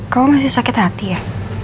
kau masih sakit hati ya